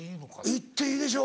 言っていいでしょ。